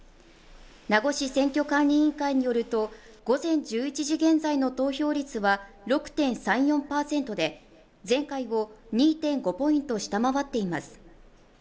名護市選挙管理委員会によると午前１１時現在の投票率は６．３４％で、前回を２．５ポイント下回っています